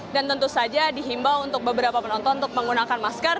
dan tentu saja dihimbau untuk beberapa penonton untuk menggunakan masker